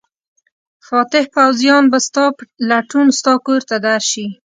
فاتح پوځیان به ستا په لټون ستا کور ته درشي.